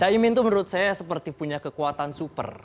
caimin itu menurut saya seperti punya kekuatan super